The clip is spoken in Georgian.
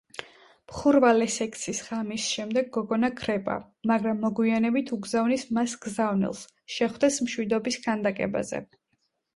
მხურვალე სექსის ღამის შემდეგ გოგონა ქრება, მაგრამ მოგვიანებით უგზავნის მას გზავნილს, შეხვდეს მშვიდობის ქანდაკებაზე.